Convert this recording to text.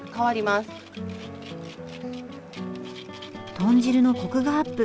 豚汁のコクがアップ。